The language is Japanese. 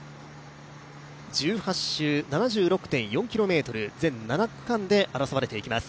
１８周、７６．４ｋｍ全７区間で争われていきます。